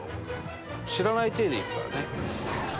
知らない体でいくからね。